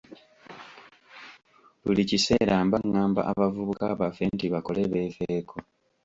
Buli kiseera mba ngamba abavubuka baffe nti bakole beefeeko.